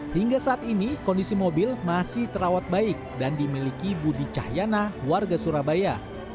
hingga saat ini kondisi mobil masih terawat baik dan dimiliki budi cahyana warga surabaya